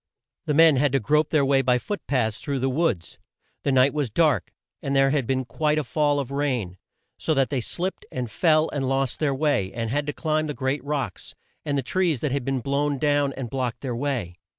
The men had to grope their way by foot paths through the woods. The night was dark and there had been quite a fall of rain, so that they slipped and fell, and lost their way, and had to climb the great rocks, and the trees that had been blown down and blocked their way.